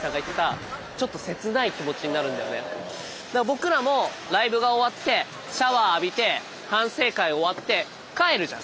僕らもライブが終わってシャワー浴びて反省会終わって帰るじゃん。